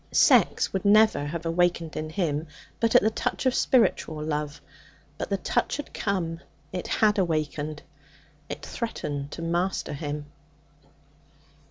Sex would never have awakened in him but at the touch of spiritual love. But the touch had come; it had awakened; it threatened to master him.